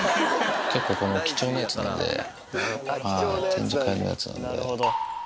結構、これ、貴重なやつなんで、展示会のやつなんで。